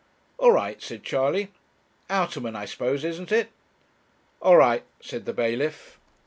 'All right,' said Charley; 'Outerman, I suppose; isn't it?' 'All right,' said the bailiff.